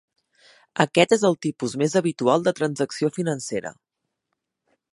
Aquest és el tipus més habitual de transacció financera.